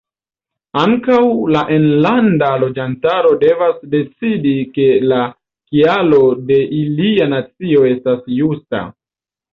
Ankaŭ la enlanda loĝantaro devas decidi ke la kialo de ilia nacio estas justa.